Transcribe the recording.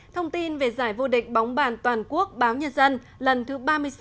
thông tin về giải vô địch bóng bàn toàn quốc báo nhân dân lần thứ ba mươi sáu